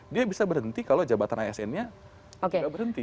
dia bisa berhenti kalau jabatan asn nya tidak berhenti